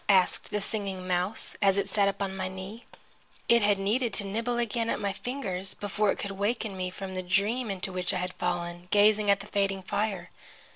asked the Singing Mouse, as it sat upon my knee. It had needed to nibble again at my fingers before it could waken me from the dream into which I had fallen, gazing at the fading fire.